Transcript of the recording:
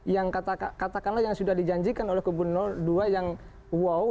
yang katakanlah yang sudah dijanjikan oleh kubu dua yang wow